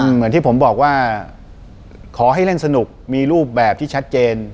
เหมือนที่ผมบอกว่าขอให้เล่นสนุกมีรูปแบบที่ชัดเจน